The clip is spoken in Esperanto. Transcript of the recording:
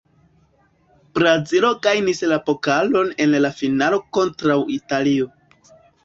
Brazilo gajnis la pokalon en la finalo kontraŭ Italio.